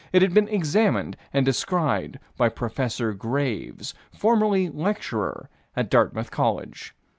It had been examined and described by Prof. Graves, formerly lecturer at Dartmouth College.